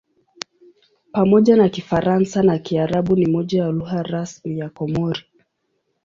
Pamoja na Kifaransa na Kiarabu ni moja ya lugha rasmi ya Komori.